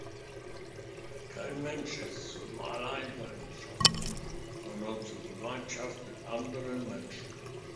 Kein Mensch ist zum Alleinsein geschaffen, sondern zur Gemeinschaft mit anderen Menschen.